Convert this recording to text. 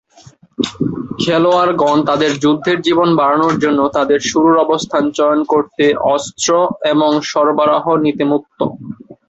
খেলোয়াড়গণ তাদের যুদ্ধের জীবন বাড়ানোর জন্য তাদের শুরুর অবস্থান চয়ন করতে, অস্ত্র এবং সরবরাহ নিতে মুক্ত।